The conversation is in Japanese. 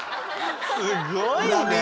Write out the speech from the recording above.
すごいね。